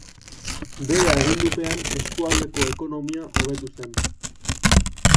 Bere agindupean eskualdeko ekonomia hobetu zen.